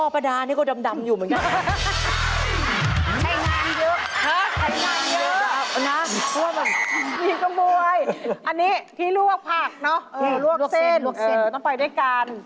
เอาหม้อไปด้วย